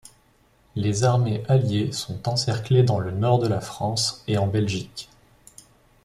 Les armées alliées sont encerclées dans le nord de la France et en Belgique.